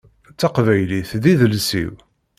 Taqbaylit d idles-iw.